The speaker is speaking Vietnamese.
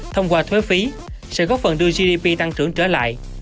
thông qua thuế phí sẽ góp phần đưa gdp tăng trưởng trở lại